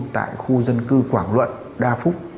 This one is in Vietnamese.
tại khu dân cư quảng luận đa phúc